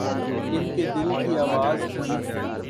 ان کے دل کی آواز تھی۔